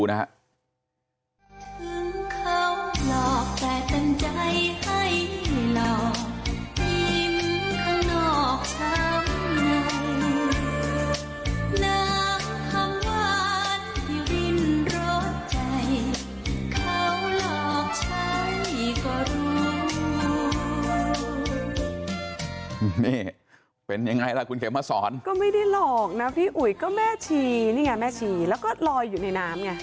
นี่เป็นยังไงล่ะคุณเขียนมาสอนก็ไม่ได้หลอกนะพี่อุ๋ยก็แม่ชีนี่ไงแม่ชีแล้วก็ลอยอยู่ในน้ำไง